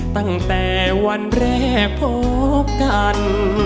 ตั้งแต่วันแรกพบกัน